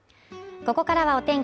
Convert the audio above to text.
ここからはお天気